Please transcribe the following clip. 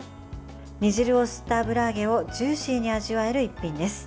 煮汁を吸った油揚げをジューシーに味わえる一品です。